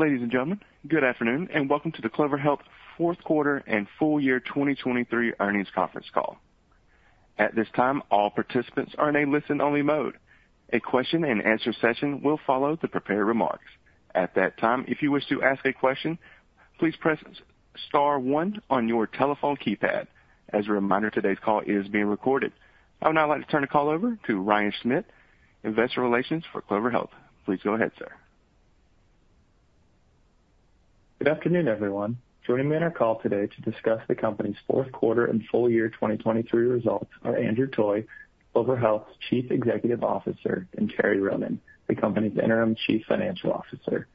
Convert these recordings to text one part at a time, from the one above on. Ladies and gentlemen, good afternoon and welcome to the Clover Health fourth quarter and full year 2023 earnings conference call. At this time, all participants are in a listen-only mode. A question-and-answer session will follow the prepared remarks. At that time, if you wish to ask a question, please press star one on your telephone keypad. As a reminder, today's call is being recorded. I would now like to turn the call over to Ryan Schmidt, investor relations for Clover Health. Please go ahead, sir. Good afternoon, everyone. Joining me on our call today to discuss the company's fourth quarter and full year 2023 results are Andrew Toy, Clover Health's Chief Executive Officer, and Terry Ronan, the company's Interim Chief Financial Officer.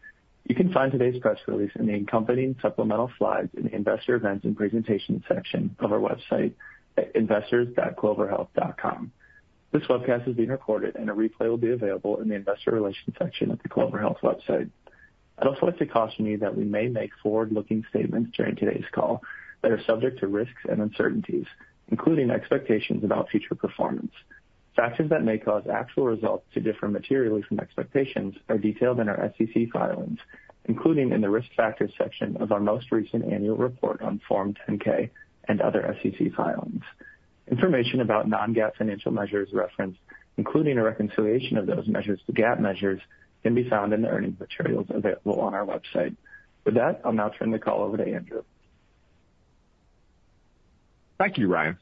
You can find today's press release in the accompanying supplemental slides in the investor events and presentations section of our website at investors.cloverhealth.com. This webcast is being recorded, and a replay will be available in the investor relations section at the Clover Health website. I'd also like to caution you that we may make forward-looking statements during today's call that are subject to risks and uncertainties, including expectations about future performance. Factors that may cause actual results to differ materially from expectations are detailed in our SEC filings, including in the risk factors section of our most recent annual report on Form 10-K and other SEC filings. Information about non-GAAP financial measures referenced, including a reconciliation of those measures to GAAP measures, can be found in the earnings materials available on our website. With that, I'll now turn the call over to Andrew. Thank you, Ryan.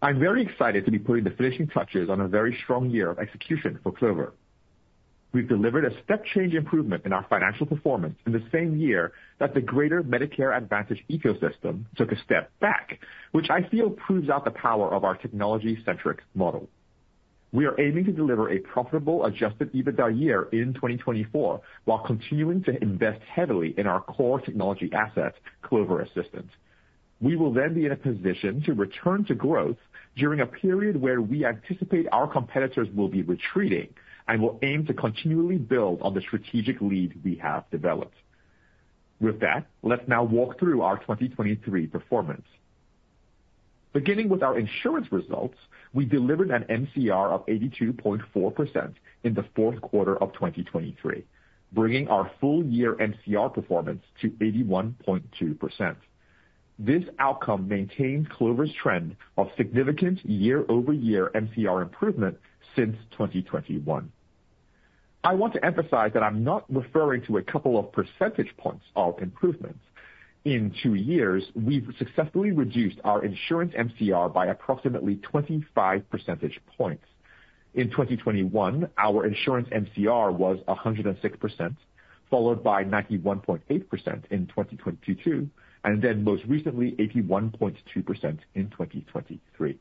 I'm very excited to be putting the finishing touches on a very strong year of execution for Clover. We've delivered a step-change improvement in our financial performance in the same year that the greater Medicare Advantage ecosystem took a step back, which I feel proves out the power of our technology-centric model. We are aiming to deliver a profitable Adjusted EBITDA year in 2024 while continuing to invest heavily in our core technology asset, Clover Assistant. We will then be in a position to return to growth during a period where we anticipate our competitors will be retreating and will aim to continually build on the strategic lead we have developed. With that, let's now walk through our 2023 performance. Beginning with our insurance results, we delivered an MCR of 82.4% in the fourth quarter of 2023, bringing our full-year MCR performance to 81.2%. This outcome maintains Clover's trend of significant year-over-year MCR improvement since 2021. I want to emphasize that I'm not referring to a couple of percentage points of improvements. In two years, we've successfully reduced our insurance MCR by approximately 25 percentage points. In 2021, our insurance MCR was 106%, followed by 91.8% in 2022, and then most recently, 81.2% in 2023.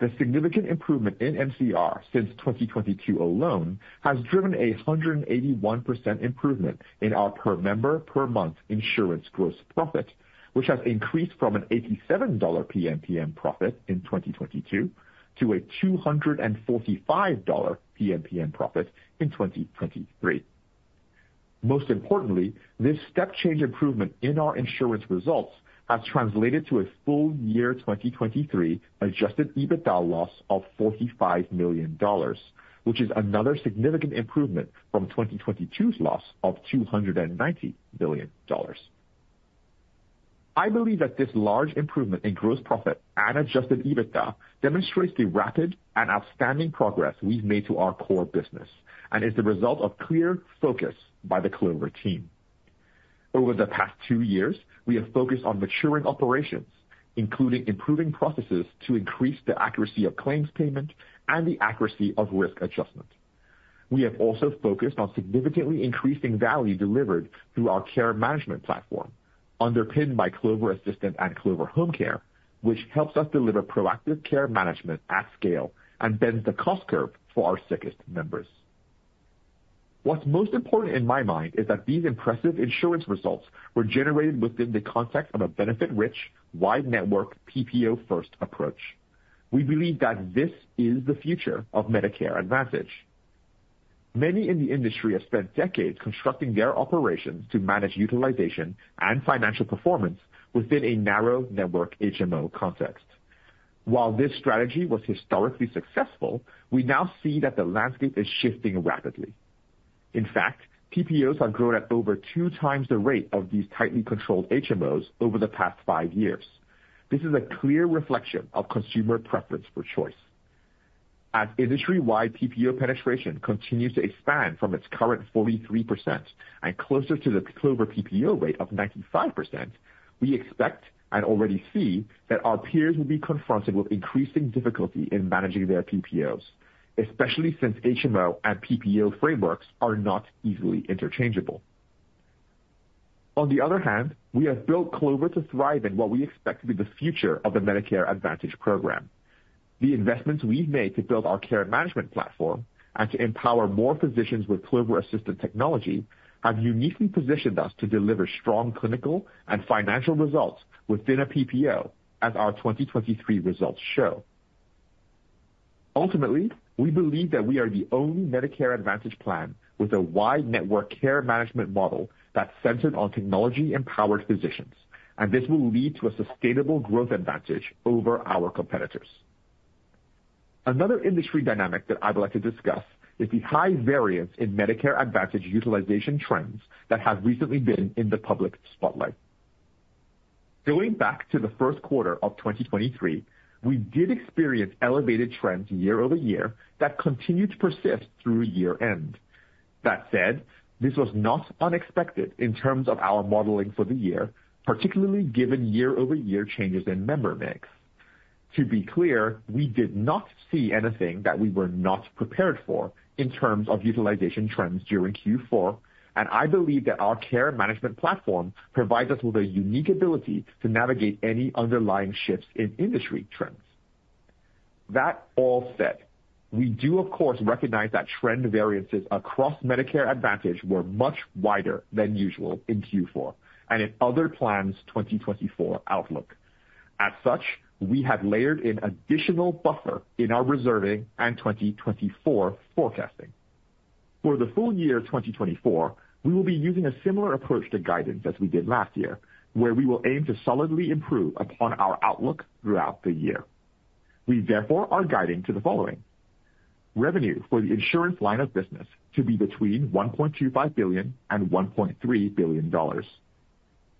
The significant improvement in MCR since 2022 alone has driven a 181% improvement in our per member per month insurance gross profit, which has increased from an $87 PMPM profit in 2022 to a $245 PMPM profit in 2023. Most importantly, this step-change improvement in our insurance results has translated to a full-year 2023 adjusted EBITDA loss of $45 million, which is another significant improvement from 2022's loss of $290 million. I believe that this large improvement in gross profit and Adjusted EBITDA demonstrates the rapid and outstanding progress we've made to our core business and is the result of clear focus by the Clover team. Over the past two years, we have focused on maturing operations, including improving processes to increase the accuracy of claims payment and the accuracy of risk adjustment. We have also focused on significantly increasing value delivered through our care management platform, underpinned by Clover Assistant and Clover Home Care, which helps us deliver proactive care management at scale and bends the cost curve for our sickest members. What's most important in my mind is that these impressive insurance results were generated within the context of a benefit-rich, wide-network, PPO-first approach. We believe that this is the future of Medicare Advantage. Many in the industry have spent decades constructing their operations to manage utilization and financial performance within a narrow network HMO context. While this strategy was historically successful, we now see that the landscape is shifting rapidly. In fact, PPOs have grown at over two times the rate of these tightly controlled HMOs over the past five years. This is a clear reflection of consumer preference for choice. As industry-wide PPO penetration continues to expand from its current 43% and closer to the Clover PPO rate of 95%, we expect and already see that our peers will be confronted with increasing difficulty in managing their PPOs, especially since HMO and PPO frameworks are not easily interchangeable. On the other hand, we have built Clover to thrive in what we expect to be the future of the Medicare Advantage program. The investments we've made to build our care management platform and to empower more physicians with Clover Assistant technology have uniquely positioned us to deliver strong clinical and financial results within a PPO, as our 2023 results show. Ultimately, we believe that we are the only Medicare Advantage plan with a wide network care management model that's centered on technology-empowered physicians, and this will lead to a sustainable growth advantage over our competitors. Another industry dynamic that I'd like to discuss is the high variance in Medicare Advantage utilization trends that have recently been in the public spotlight. Going back to the first quarter of 2023, we did experience elevated trends year-over-year that continued to persist through year-end. That said, this was not unexpected in terms of our modeling for the year, particularly given year-over-year changes in member mix. To be clear, we did not see anything that we were not prepared for in terms of utilization trends during Q4, and I believe that our care management platform provides us with a unique ability to navigate any underlying shifts in industry trends. That all said, we do, of course, recognize that trend variances across Medicare Advantage were much wider than usual in Q4 and in other plans' 2024 outlook. As such, we have layered in additional buffer in our reserving and 2024 forecasting. For the full year 2024, we will be using a similar approach to guidance as we did last year, where we will aim to solidly improve upon our outlook throughout the year. We, therefore, are guiding to the following: revenue for the insurance line of business to be between $1.25 billion-$1.3 billion.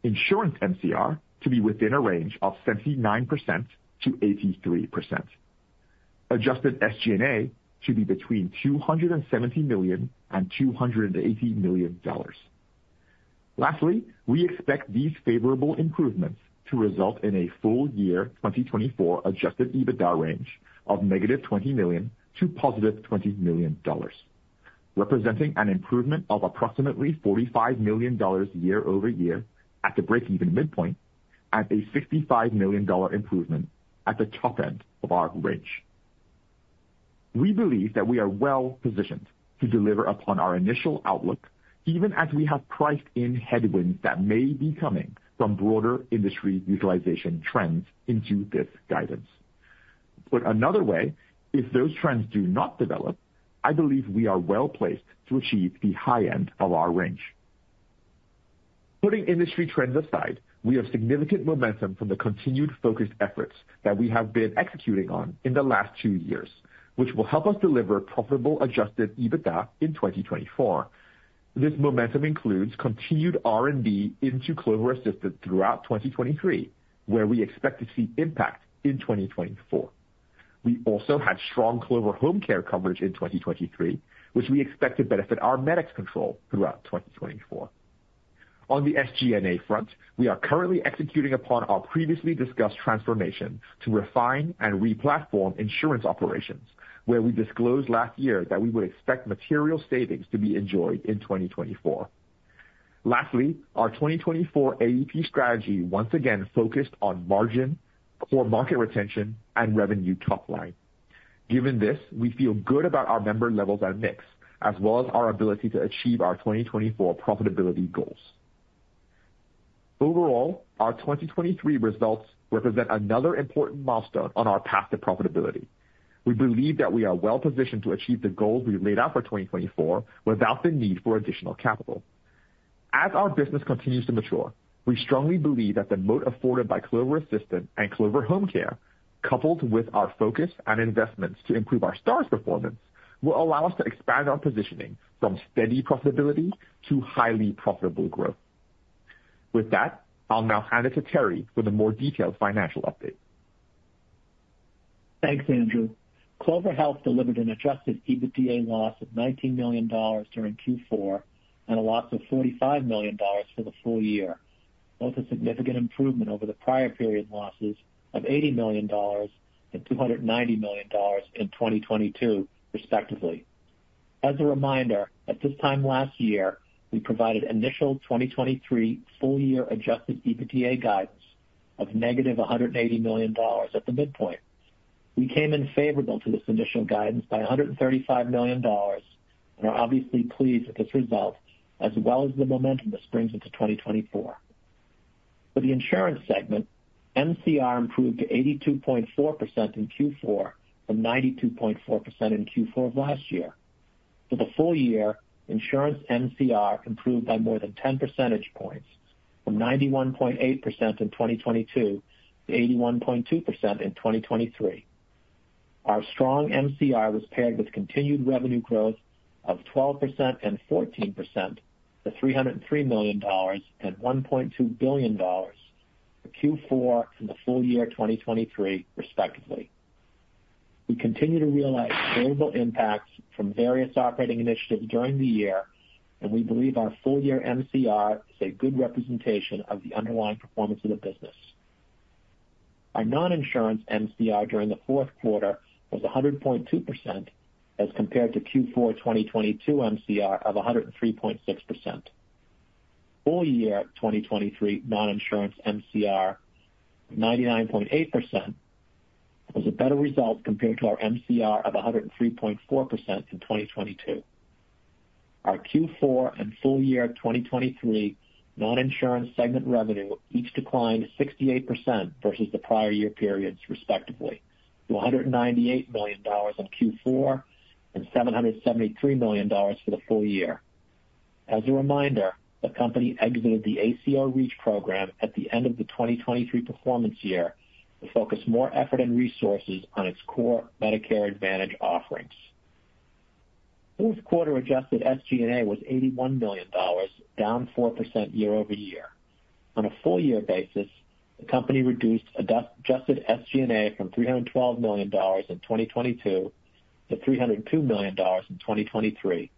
Insurance MCR to be within a range of 79%-83%. Adjusted SG&A to be between $270 million-$280 million. Lastly, we expect these favorable improvements to result in a full-year 2024 adjusted EBITDA range of -$20 million to +$20 million, representing an improvement of approximately $45 million year-over-year at the break-even midpoint and a $65 million improvement at the top end of our range. We believe that we are well positioned to deliver upon our initial outlook, even as we have priced in headwinds that may be coming from broader industry utilization trends into this guidance. Put another way, if those trends do not develop, I believe we are well placed to achieve the high end of our range. Putting industry trends aside, we have significant momentum from the continued focused efforts that we have been executing on in the last 2 years, which will help us deliver profitable Adjusted EBITDA in 2024. This momentum includes continued R&D into Clover Assistant throughout 2023, where we expect to see impact in 2024. We also had strong Clover Home Care coverage in 2023, which we expect to benefit our MCR control throughout 2024. On the SG&A front, we are currently executing upon our previously discussed transformation to refine and re-platform insurance operations, where we disclosed last year that we would expect material savings to be enjoyed in 2024. Lastly, our 2024 AEP strategy once again focused on margin, core market retention, and revenue top line. Given this, we feel good about our member levels and mix, as well as our ability to achieve our 2024 profitability goals. Overall, our 2023 results represent another important milestone on our path to profitability. We believe that we are well positioned to achieve the goals we laid out for 2024 without the need for additional capital. As our business continues to mature, we strongly believe that the moat afforded by Clover Assistant and Clover Home Care, coupled with our focus and investments to improve our Stars performance, will allow us to expand our positioning from steady profitability to highly profitable growth. With that, I'll now hand it to Terry for the more detailed financial update. Thanks, Andrew. Clover Health delivered an adjusted EBITDA loss of $19 million during Q4 and a loss of $45 million for the full year, both a significant improvement over the prior period losses of $80 million and $290 million in 2022, respectively. As a reminder, at this time last year, we provided initial 2023 full-year adjusted EBITDA guidance of negative $180 million at the midpoint. We came in favorable to this initial guidance by $135 million and are obviously pleased with this result, as well as the momentum this brings into 2024. For the insurance segment, MCR improved to 82.4% in Q4 from 92.4% in Q4 of last year. For the full year, insurance MCR improved by more than 10 percentage points from 91.8% in 2022 to 81.2% in 2023. Our strong MCR was paired with continued revenue growth of 12% and 14% to $303 million and $1.2 billion for Q4 and the full year 2023, respectively. We continue to realize favorable impacts from various operating initiatives during the year, and we believe our full-year MCR is a good representation of the underlying performance of the business. Our non-insurance MCR during the fourth quarter was 100.2% as compared to Q4 2022 MCR of 103.6%. Full-year 2023 non-insurance MCR of 99.8% was a better result compared to our MCR of 103.4% in 2022. Our Q4 and full-year 2023 non-insurance segment revenue each declined 68% versus the prior year periods, respectively, to $198 million in Q4 and $773 million for the full year. As a reminder, the company exited the ACO REACH program at the end of the 2023 performance year to focus more effort and resources on its core Medicare Advantage offerings. Fourth quarter Adjusted SG&A was $81 million, down 4% year-over-year. On a full-year basis, the company reduced Adjusted SG&A from $312 million in 2022 to $302 million in 2023,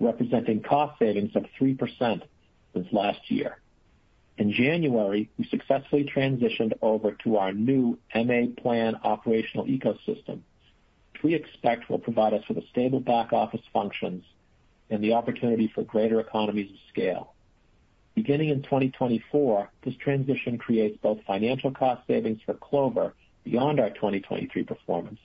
representing cost savings of 3% since last year. In January, we successfully transitioned over to our new MA plan operational ecosystem, which we expect will provide us with a stable back office functions and the opportunity for greater economies of scale. Beginning in 2024, this transition creates both financial cost savings for Clover beyond our 2023 performance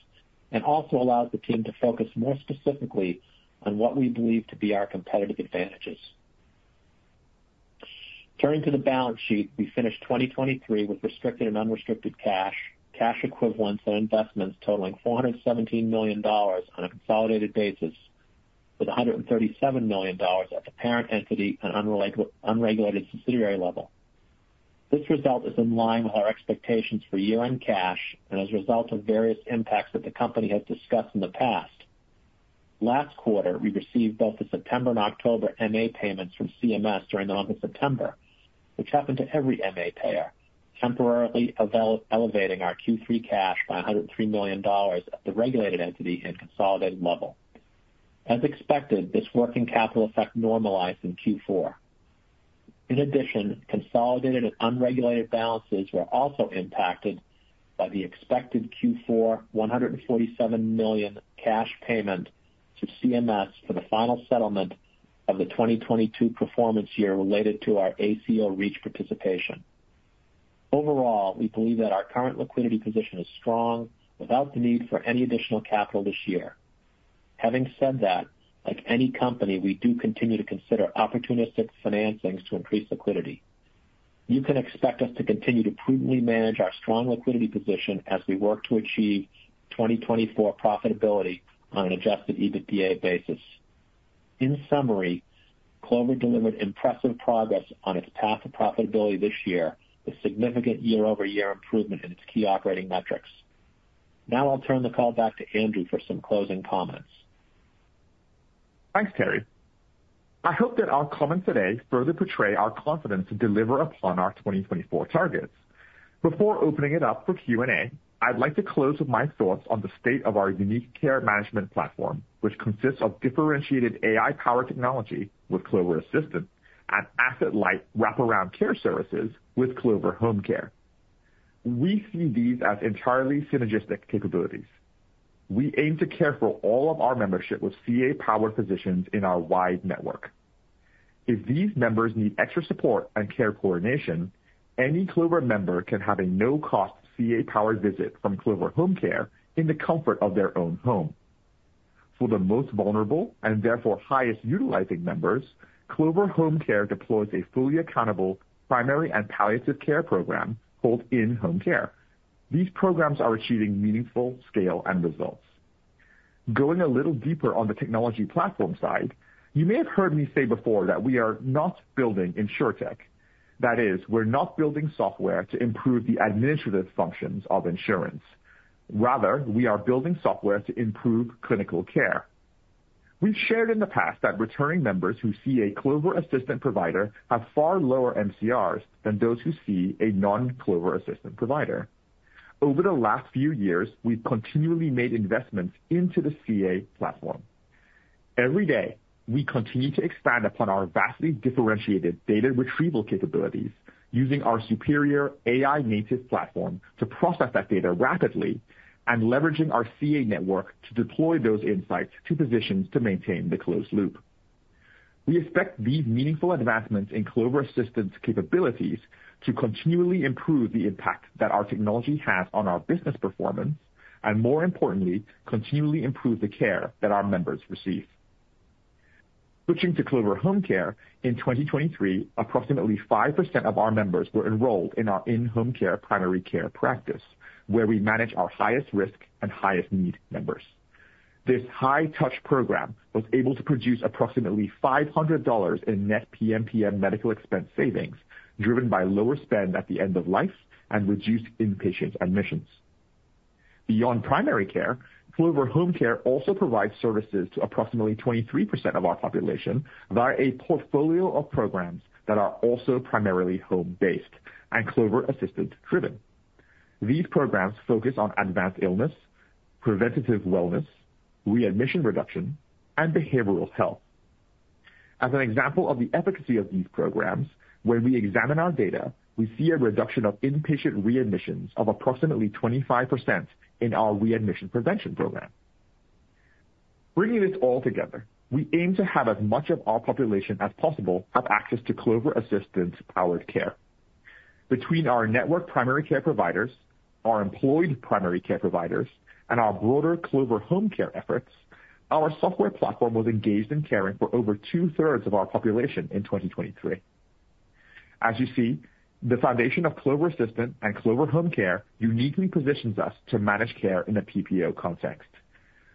and also allows the team to focus more specifically on what we believe to be our competitive advantages. Turning to the balance sheet, we finished 2023 with restricted and unrestricted cash, cash equivalents, and investments totaling $417 million on a consolidated basis with $137 million at the parent entity and unregulated subsidiary level. This result is in line with our expectations for year-end cash and as a result of various impacts that the company has discussed in the past. Last quarter, we received both the September and October MA payments from CMS during the month of September, which happened to every MA payer, temporarily elevating our Q3 cash by $103 million at the regulated entity and consolidated level. As expected, this working capital effect normalized in Q4. In addition, consolidated and unregulated balances were also impacted by the expected Q4 $147 million cash payment to CMS for the final settlement of the 2022 performance year related to our ACO REACH participation. Overall, we believe that our current liquidity position is strong without the need for any additional capital this year. Having said that, like any company, we do continue to consider opportunistic financings to increase liquidity. You can expect us to continue to prudently manage our strong liquidity position as we work to achieve 2024 profitability on an Adjusted EBITDA basis. In summary, Clover delivered impressive progress on its path to profitability this year with significant year-over-year improvement in its key operating metrics. Now I'll turn the call back to Andrew for some closing comments. Thanks, Terry. I hope that our comments today further portray our confidence to deliver upon our 2024 targets. Before opening it up for Q&A, I'd like to close with my thoughts on the state of our unique care management platform, which consists of differentiated AI-powered technology with Clover Assistant and asset-light wrap-around care services with Clover Home Care. We see these as entirely synergistic capabilities. We aim to care for all of our membership with CA-powered physicians in our wide network. If these members need extra support and care coordination, any Clover member can have a no-cost CA-powered visit from Clover Home Care in the comfort of their own home. For the most vulnerable and therefore highest utilizing members, Clover Home Care deploys a fully accountable primary and palliative care program called In Home Care. These programs are achieving meaningful scale and results. Going a little deeper on the technology platform side, you may have heard me say before that we are not building insurtech. That is, we're not building software to improve the administrative functions of insurance. Rather, we are building software to improve clinical care. We've shared in the past that returning members who see a Clover Assistant provider have far lower MCRs than those who see a non-Clover Assistant provider. Over the last few years, we've continually made investments into the CA platform. Every day, we continue to expand upon our vastly differentiated data retrieval capabilities using our superior AI-native platform to process that data rapidly and leveraging our CA network to deploy those insights to physicians to maintain the closed loop. We expect these meaningful advancements in Clover Assistant's capabilities to continually improve the impact that our technology has on our business performance and, more importantly, continually improve the care that our members receive. Switching to Clover Home Care, in 2023, approximately 5% of our members were enrolled in our In Home Care primary care practice, where we manage our highest risk and highest need members. This high-touch program was able to produce approximately $500 in net PMPM medical expense savings driven by lower spend at the end of life and reduced inpatient admissions. Beyond primary care, Clover Home Care also provides services to approximately 23% of our population via a portfolio of programs that are also primarily home-based and Clover Assistant-driven. These programs focus on advanced illness, preventative wellness, readmission reduction, and behavioral health. As an example of the efficacy of these programs, when we examine our data, we see a reduction of inpatient readmissions of approximately 25% in our readmission prevention program. Bringing this all together, we aim to have as much of our population as possible have access to Clover Assistant-powered care. Between our network primary care providers, our employed primary care providers, and our broader Clover Home Care efforts, our software platform was engaged in caring for over two-thirds of our population in 2023. As you see, the foundation of Clover Assistant and Clover Home Care uniquely positions us to manage care in a PPO context.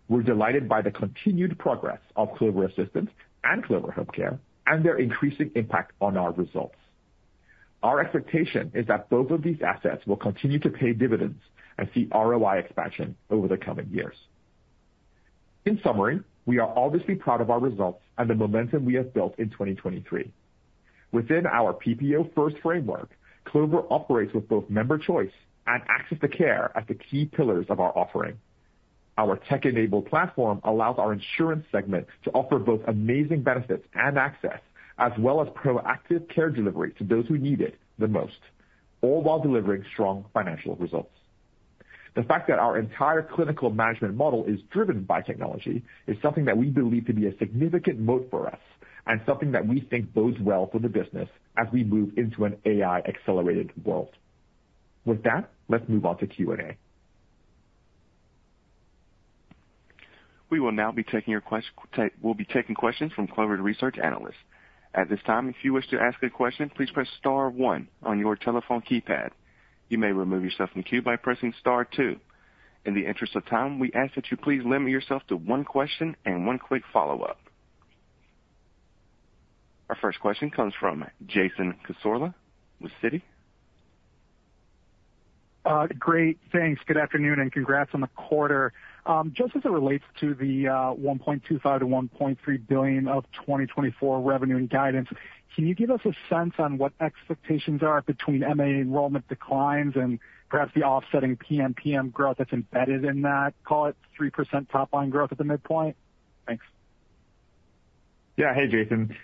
We're delighted by the continued progress of Clover Assistant and Clover Home Care and their increasing impact on our results. Our expectation is that both of these assets will continue to pay dividends and see ROI expansion over the coming years. In summary, we are obviously proud of our results and the momentum we have built in 2023. Within our PPO-first framework, Clover operates with both member choice and access to care as the key pillars of our offering. Our tech-enabled platform allows our insurance segment to offer both amazing benefits and access, as well as proactive care delivery to those who need it the most, all while delivering strong financial results. The fact that our entire clinical management model is driven by technology is something that we believe to be a significant moat for us and something that we think bodes well for the business as we move into an AI-accelerated world. With that, let's move on to Q&A. We will now be taking your questions. We'll be taking questions from Clover Research analysts. At this time, if you wish to ask a question, please press star one on your telephone keypad. You may remove yourself from the queue by pressing star two. In the interest of time, we ask that you please limit yourself to one question and one quick follow-up. Our first question comes from Jason Cassorla with Citi. Great. Thanks. Good afternoon and congrats on the quarter. Just as it relates to the $1.25 billion-$1.3 billion of 2024 revenue and guidance, can you give us a sense on what expectations are between MA enrollment declines and perhaps the offsetting PMPM growth that's embedded in that, call it 3% top-line growth at the midpoint? Thanks. Yeah. Hey, Jason.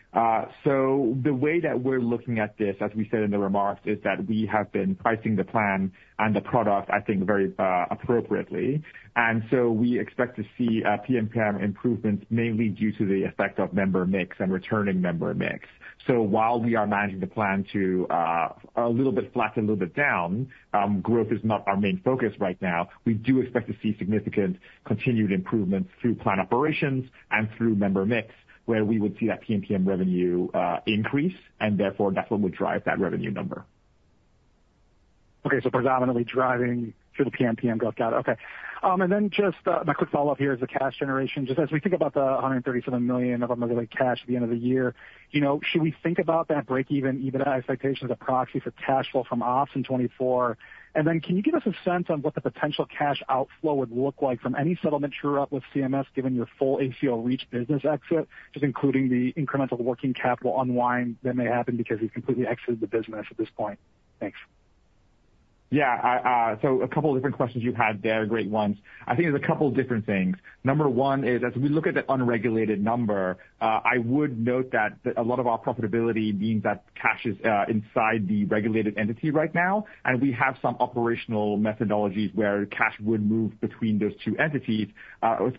So the way that we're looking at this, as we said in the remarks, is that we have been pricing the plan and the product, I think, very appropriately. And so we expect to see PMPM improvements mainly due to the effect of member mix and returning member mix. So while we are managing the plan to a little bit flat, a little bit down, growth is not our main focus right now, we do expect to see significant continued improvements through plan operations and through member mix, where we would see that PMPM revenue increase, and therefore, that's what would drive that revenue number. Okay. So predominantly driving through the PMPM growth guide. Okay. And then just my quick follow-up here is the cash generation. Just as we think about the $137 million of unregulated cash at the end of the year, should we think about that break-even EBITDA expectations as a proxy for cash flow from ops in 2024? And then can you give us a sense on what the potential cash outflow would look like from any settlement true up with CMS, given your full ACO REACH business exit, just including the incremental working capital unwind that may happen because you've completely exited the business at this point? Thanks. Yeah. So a couple of different questions you've had there. Great ones. I think there's a couple of different things. Number one is, as we look at the unregulated number, I would note that a lot of our profitability means that cash is inside the regulated entity right now, and we have some operational methodologies where cash would move between those two entities,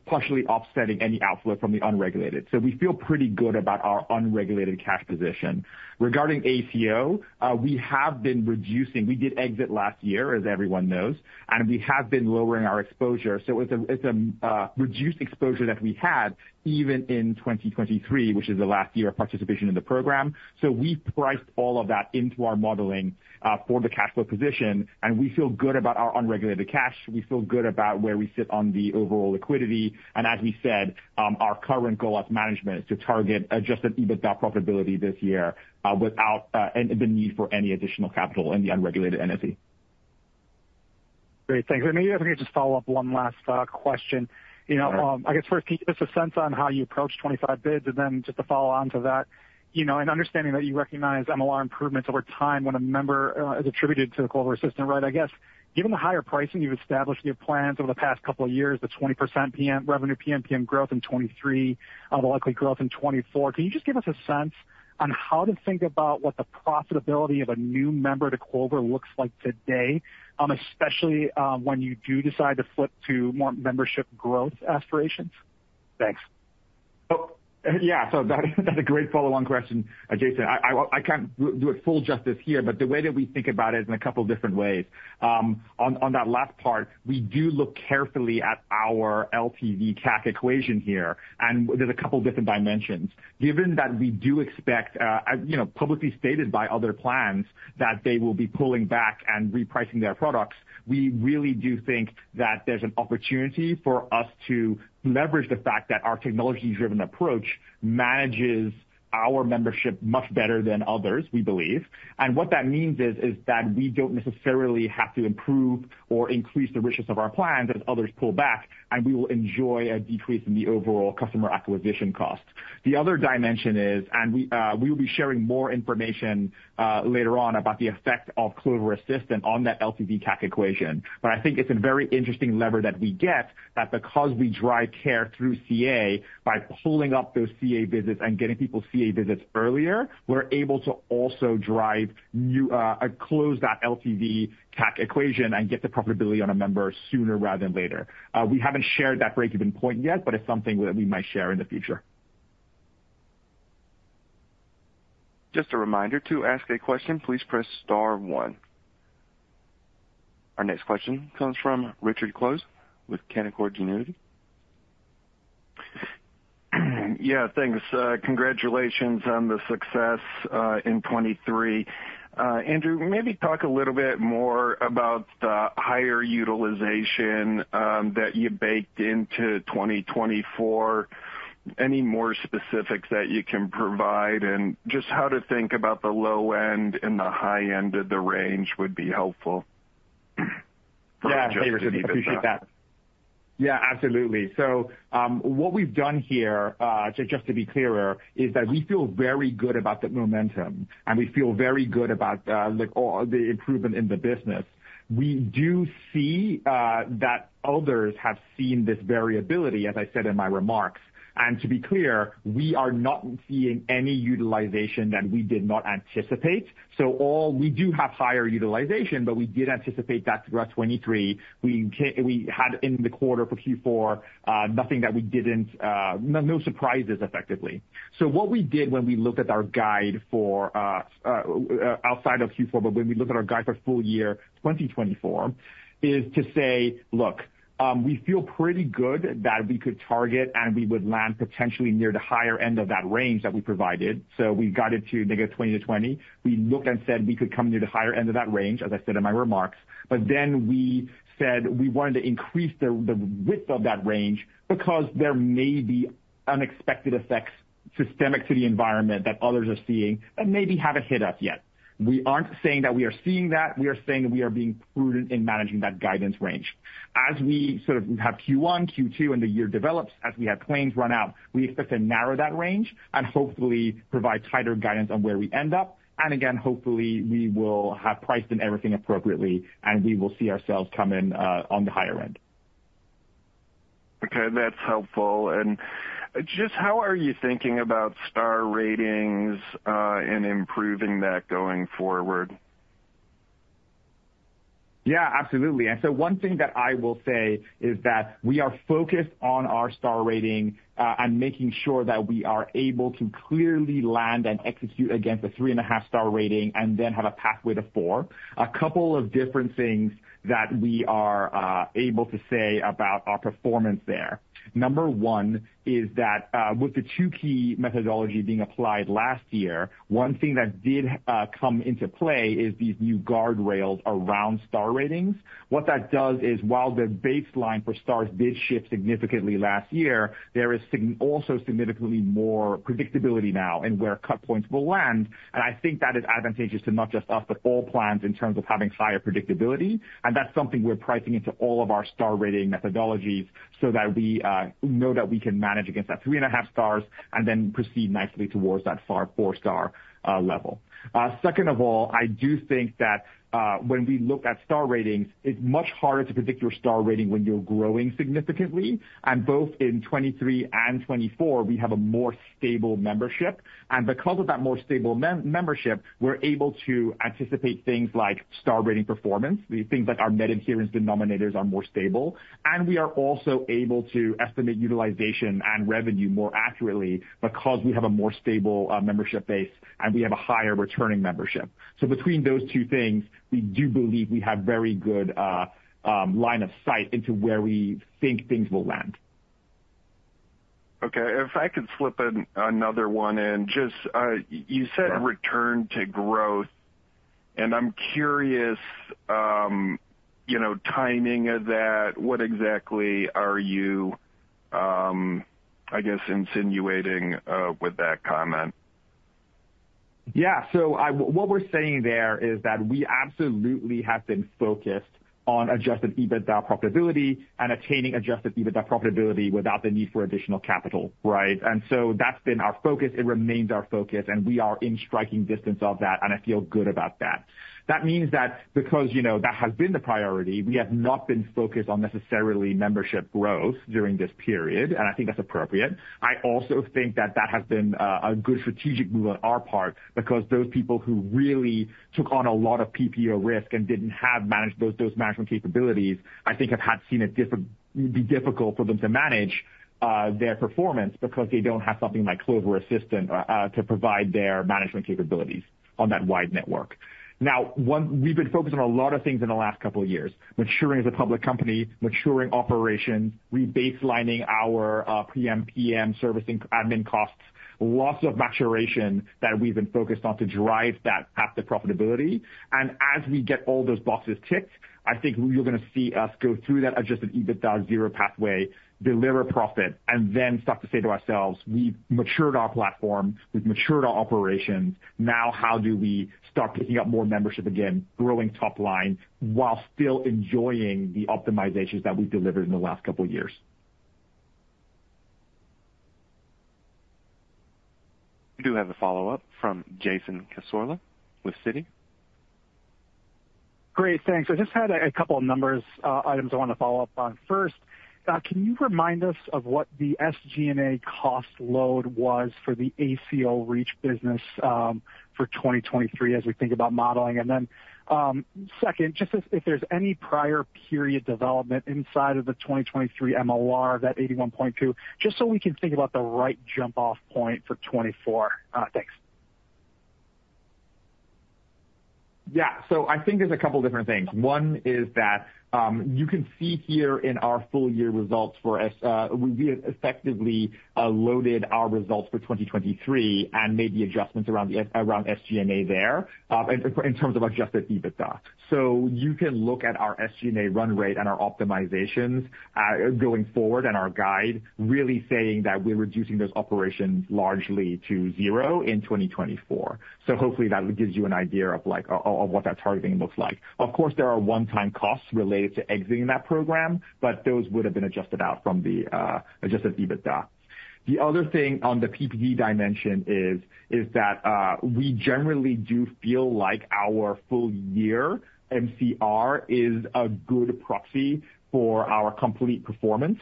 partially offsetting any outflow from the unregulated. So we feel pretty good about our unregulated cash position. Regarding ACO, we have been reducing. We did exit last year, as everyone knows, and we have been lowering our exposure. So it's a reduced exposure that we had even in 2023, which is the last year of participation in the program. So we've priced all of that into our modeling for the cash flow position, and we feel good about our unregulated cash. We feel good about where we sit on the overall liquidity. As we said, our current goal at management is to target Adjusted EBITDA profitability this year without the need for any additional capital in the unregulated entity. Great. Thanks. And maybe if I could just follow up one last question. I guess first, can you give us a sense on how you approach 25 bids? And then just to follow on to that, in understanding that you recognize MLR improvements over time when a member is attributed to the Clover Assistant, right, I guess given the higher pricing you've established in your plans over the past couple of years, the 20% revenue PMPM growth in 2023, the likely growth in 2024, can you just give us a sense on how to think about what the profitability of a new member to Clover looks like today, especially when you do decide to flip to more membership growth aspirations? Thanks. Yeah. So that's a great follow-on question, Jason. I can't do it full justice here, but the way that we think about it is in a couple of different ways. On that last part, we do look carefully at our LTV CAC equation here, and there's a couple of different dimensions. Given that we do expect, publicly stated by other plans, that they will be pulling back and repricing their products, we really do think that there's an opportunity for us to leverage the fact that our technology-driven approach manages our membership much better than others, we believe. And what that means is that we don't necessarily have to improve or increase the richness of our plans as others pull back, and we will enjoy a decrease in the overall customer acquisition cost. The other dimension is, and we will be sharing more information later on about the effect of Clover Assistant on that LTV CAC equation, but I think it's a very interesting lever that we get that because we drive care through CA by pulling up those CA visits and getting people CA visits earlier, we're able to also close that LTV CAC equation and get the profitability on a member sooner rather than later. We haven't shared that break-even point yet, but it's something that we might share in the future. Just a reminder, to ask a question, please press star one. Our next question comes from Richard Close with Canaccord Genuity. Yeah. Thanks. Congratulations on the success in 2023. Andrew, maybe talk a little bit more about the higher utilization that you baked into 2024, any more specifics that you can provide, and just how to think about the low end and the high end of the range would be helpful. Yeah. Richard, I appreciate that. Yeah. Absolutely. So what we've done here, just to be clearer, is that we feel very good about the momentum, and we feel very good about the improvement in the business. We do see that others have seen this variability, as I said in my remarks. And to be clear, we are not seeing any utilization that we did not anticipate. So we do have higher utilization, but we did anticipate that throughout 2023. We had, in the quarter for Q4, nothing that we didn't no surprises, effectively. So what we did when we looked at our guide for outside of Q4, but when we looked at our guide for full year 2024, is to say, "Look, we feel pretty good that we could target and we would land potentially near the higher end of that range that we provided." So we guided to -20 to 20. We looked and said we could come near the higher end of that range, as I said in my remarks. But then we said we wanted to increase the width of that range because there may be unexpected effects systemic to the environment that others are seeing that maybe haven't hit us yet. We aren't saying that we are seeing that. We are saying that we are being prudent in managing that guidance range. As we sort of have Q1, Q2, and the year develops, as we have claims run out, we expect to narrow that range and hopefully provide tighter guidance on where we end up. And again, hopefully, we will have priced in everything appropriately, and we will see ourselves coming on the higher end. Okay. That's helpful. Just how are you thinking about star ratings and improving that going forward? Yeah. Absolutely. And so one thing that I will say is that we are focused on our star rating and making sure that we are able to clearly land and execute against a 3.5-star rating and then have a pathway to 4. A couple of different things that we are able to say about our performance there. Number one is that with the two-key methodology being applied last year, one thing that did come into play is these new guardrails around star ratings. What that does is, while the baseline for stars did shift significantly last year, there is also significantly more predictability now in where cut points will land. And I think that is advantageous to not just us but all plans in terms of having higher predictability. That's something we're pricing into all of our star rating methodologies so that we know that we can manage against that 3.5 stars and then proceed nicely towards that 4-star level. Second of all, I do think that when we look at star ratings, it's much harder to predict your star rating when you're growing significantly. Both in 2023 and 2024, we have a more stable membership. Because of that more stable membership, we're able to anticipate things like star rating performance. Things like our net adherence denominators are more stable. We are also able to estimate utilization and revenue more accurately because we have a more stable membership base and we have a higher returning membership. Between those two things, we do believe we have very good line of sight into where we think things will land. Okay. If I could slip another one in, just you said return to growth. And I'm curious timing of that. What exactly are you, I guess, insinuating with that comment? Yeah. So what we're saying there is that we absolutely have been focused on Adjusted EBITDA profitability and attaining Adjusted EBITDA profitability without the need for additional capital, right? And so that's been our focus. It remains our focus, and we are in striking distance of that, and I feel good about that. That means that because that has been the priority, we have not been focused on necessarily membership growth during this period, and I think that's appropriate. I also think that that has been a good strategic move on our part because those people who really took on a lot of PPO risk and didn't have those management capabilities, I think, have seen it be difficult for them to manage their performance because they don't have something like Clover Assistant to provide their management capabilities on that wide network. Now, we've been focused on a lot of things in the last couple of years: maturing as a public company, maturing operations, rebaselining our PMPM servicing admin costs, lots of maturation that we've been focused on to drive that profitability. As we get all those boxes ticked, I think you're going to see us go through that Adjusted EBITDA zero pathway, deliver profit, and then start to say to ourselves, "We've matured our platform. We've matured our operations. Now, how do we start picking up more membership again, growing top-line while still enjoying the optimizations that we've delivered in the last couple of years? We do have a follow-up from Jason Cassorla with Citi. Great. Thanks. I just had a couple of numbers items I want to follow up on. First, can you remind us of what the SG&A cost load was for the ACO REACH business for 2023 as we think about modeling? And then second, just if there's any prior period development inside of the 2023 MLR of that 81.2, just so we can think about the right jump-off point for 2024. Thanks. Yeah. So I think there's a couple of different things. One is that you can see here in our full year results for we effectively loaded our results for 2023 and made the adjustments around SG&A there in terms of Adjusted EBITDA. So you can look at our SG&A run rate and our optimizations going forward and our guide really saying that we're reducing those operations largely to zero in 2024. So hopefully, that gives you an idea of what that targeting looks like. Of course, there are one-time costs related to exiting that program, but those would have been adjusted out from the Adjusted EBITDA. The other thing on the PPD dimension is that we generally do feel like our full year MCR is a good proxy for our complete performance.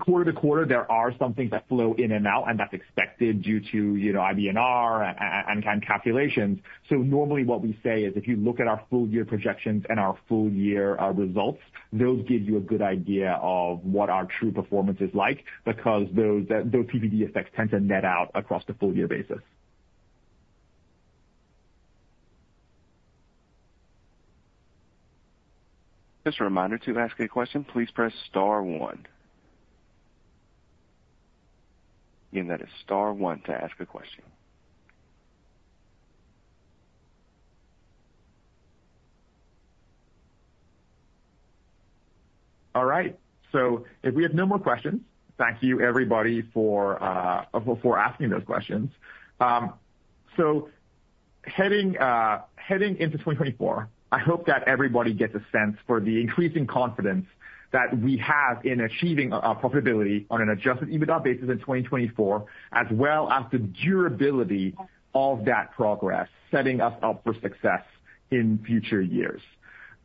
Quarter to quarter, there are some things that flow in and out, and that's expected due to IBNR and calculations. So normally, what we say is if you look at our full year projections and our full year results, those give you a good idea of what our true performance is like because those PPD effects tend to net out across the full year basis. Just a reminder to ask a question. Please press star one. Again, that is star one to ask a question. All right. So if we have no more questions, thank you, everybody, for asking those questions. So heading into 2024, I hope that everybody gets a sense for the increasing confidence that we have in achieving profitability on an Adjusted EBITDA basis in 2024 as well as the durability of that progress setting us up for success in future years.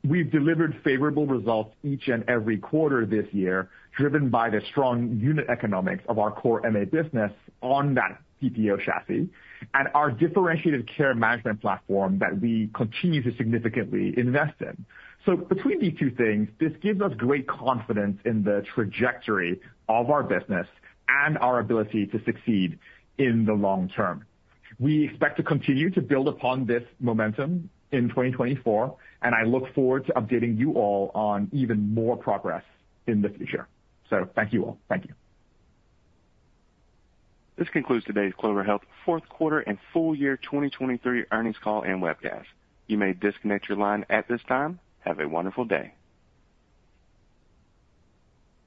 We've delivered favorable results each and every quarter this year driven by the strong unit economics of our core MA business on that PPO chassis and our differentiated care management platform that we continue to significantly invest in. So between these two things, this gives us great confidence in the trajectory of our business and our ability to succeed in the long term. We expect to continue to build upon this momentum in 2024, and I look forward to updating you all on even more progress in the future. Thank you all. Thank you. This concludes today's Clover Health fourth quarter and full year 2023 earnings call and webcast. You may disconnect your line at this time. Have a wonderful day.